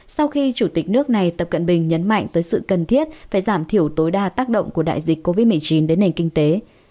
sau khi chủ tịch nước này tập cận bình nhấn mạnh tới sự cần thiết phải giảm thiểu tối đa tác động của đại dịch covid một mươi chín đến nền kinh tế